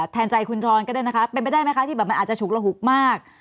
แทนใจคุณช้อนก็ได้นะคะเป็นไปได้ไหมคะที่แบบมันอาจจะฉุกระหุกมาก